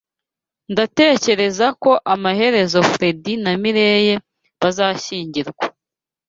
Ndatekereza ko amaherezo Fredy na Mirelle bazashyingirwa.